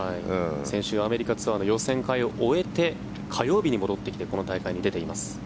先週アメリカツアーの予選会を終えて火曜日に戻ってきてこの大会に出ています。